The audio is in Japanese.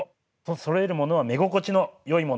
そろえるものは目心地のよいものを。